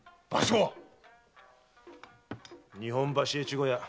日本橋越後屋。